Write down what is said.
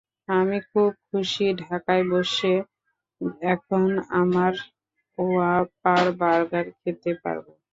আমি খুব খুশি ঢাকায় বসে এখন আমার ওয়াপার বার্গার খেতে পারব।